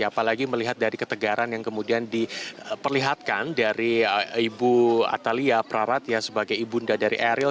apalagi melihat dari ketegaran yang kemudian diperlihatkan dari ibu atalia prarat yang sebagai ibunda dari eril